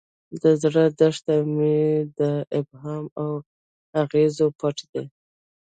د زړه دښت مې د ابهام په اغزیو پټ دی.